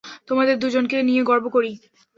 তোমাদের দুজনকে নিয়ে গর্ব করি।